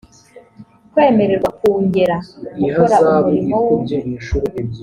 kwemererwa kungera gukora umurimo wo